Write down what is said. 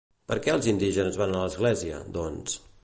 Per què els indígenes van a l'església, doncs?